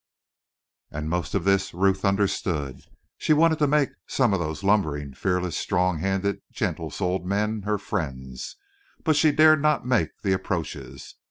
And most of this Ruth understood. She wanted to make some of those lumbering, fearless, strong handed, gentle souled men her friends. But she dared not make the approaches.